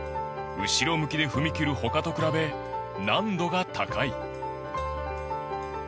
後ろ向きで踏み切る他と比べ難度が高い。